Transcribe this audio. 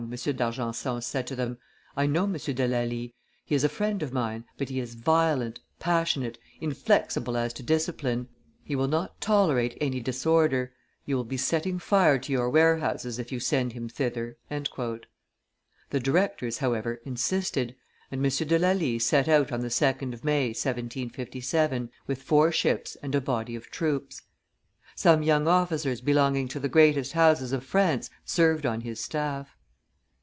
d'Argenson said to them; "I know M. de Lally; he is a friend of mine, but he is violent, passionate, inflexible as to discipline; he will not tolerate any disorder; you will be setting fire to your warehouses, if you send him thither." The directors, however, insisted, and M. de Lally set out on the 2d of May, 1757, with four ships and a body of troops. Some young officers belonging to the greatest houses of France served on his staff.